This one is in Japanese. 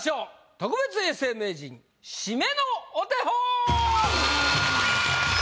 特別永世名人締めのお手本！